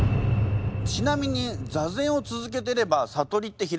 ちなみに座禅を続けてれば悟りって開けるんですか？